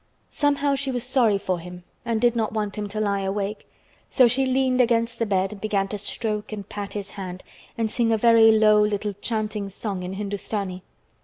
Somehow she was sorry for him and did not want him to lie awake, so she leaned against the bed and began to stroke and pat his hand and sing a very low little chanting song in Hindustani.